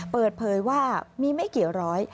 เปิดเผยว่ามีไม่กี่ร้อย